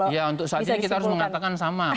ya untuk saat ini kita harus mengatakan sama